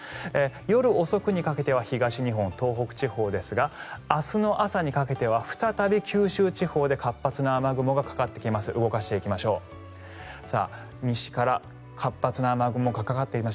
夜遅くにかけては東日本、東北地方ですが明日の朝にかけては再び九州地方で活発な雨雲がかかってきます。